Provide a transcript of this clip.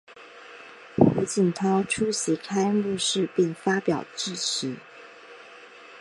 胡锦涛出席开幕式并发表致辞。